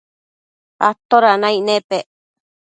atoda naic nepec